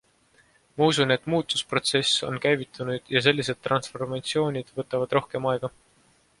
Ma usun, et muutusprotsess on käivitunud ja sellised transformatsioonid võtavad rohkem aega.